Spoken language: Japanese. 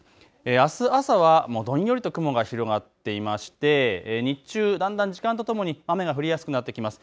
あす朝はどんよりと雲が広がっていまして日中だんだん時間とともに雨が降りやすくなってきます。